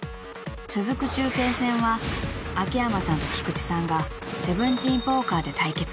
続く中堅戦は秋山さんと菊地さんが１７ポーカーで対決］